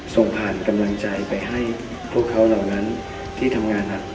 ส่งผ่านกำลังใจไปให้พวกเขาเหล่านั้นที่ทำงานหนัก